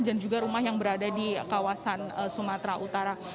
dan juga rumah yang berada di kawasan sumatera utara